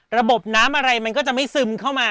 ระบบน้ำอะไรมันก็จะไม่ซึมเข้ามา